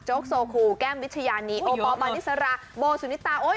โจ๊กโซคูแก้มวิชญานีโอปอล์บานิสราโบสุนิตา